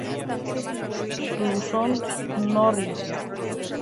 Sturluson, Snorri.